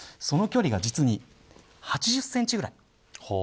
その距離が実に８０センチぐらい。